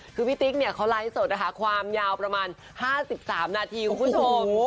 คือพี่ติ๊กเขาไลน์ให้โสดความยาวประมาณ๕๓นาทีของผู้ชม